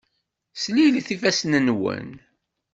Slilet ifassen-nwen.